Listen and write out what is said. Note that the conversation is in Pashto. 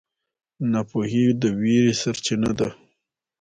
ناپوهي د وېرې سرچینه ده.